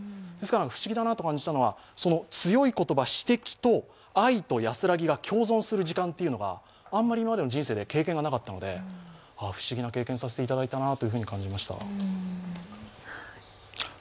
不思議だなと思ったことは、その強い言葉、指摘と愛と安らぎが共存する時間というのがあんまり今までの人生で経験がなかったので、不思議な経験させていただいたなと。